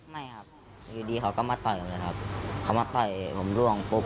ไม่ครับอยู่ดีเขาก็มาต่อยผมเลยครับเขามาต่อยผมล่วงปุ๊บ